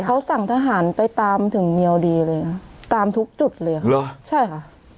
เขาสั่งทหารไปตามถึงเมียวดีเลยค่ะตามทุกจุดเลยเหรอใช่ค่ะ